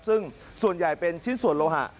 ซึ่งส่วนใหญ่เป็นชิ้นส่วนโลหะ